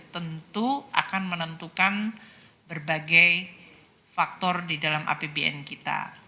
tentu akan menentukan berbagai faktor di dalam apbn kita